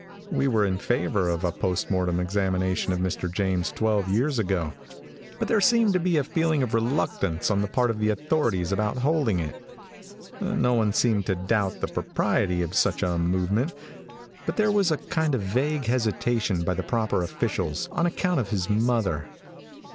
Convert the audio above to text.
We were in favor of a post mortem examination of Mr. James twelve years ago, but there seemed to be a feeling of reluctance on the part of the authorities about holding it. No one seemed to doubt the propriety of such a movement, but there was a kind of vague hesitation by the proper officials on account of his mother.